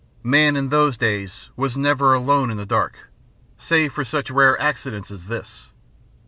Man in those days was never alone in the dark, save for such rare accidents as this.